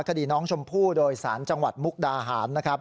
คราวดีน้องชมพู่โดยสารจังหวัดมุกดาหาร